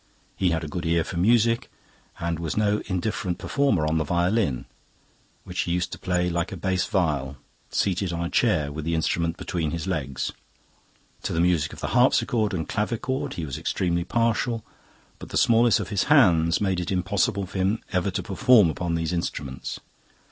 He had a good ear for music, and was no indifferent performer on the violin, which he used to play like a bass viol, seated on a chair with the instrument between his legs. To the music of the harpsichord and clavichord he was extremely partial, but the smallness of his hands made it impossible for him ever to perform upon these instruments.